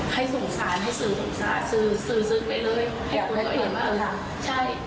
ให้สงสารให้สื่อสงสารสื่อสื่อสื่อไปเลยให้คุณก็เห็นว่าใช่